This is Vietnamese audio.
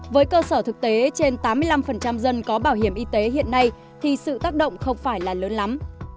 với cơ sở thực tế trên tám mươi năm dân có bảo hiểm y tế hiện nay thì sự tác động không phải là lớn lắm